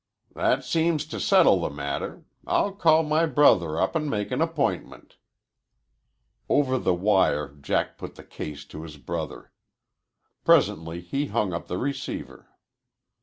"That seems to settle the matter. I'll call my brother up and make an appointment." Over the wire Jack put the case to his brother. Presently he hung up the receiver.